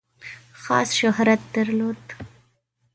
خاص شهرت درلود.